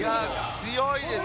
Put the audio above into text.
強いです。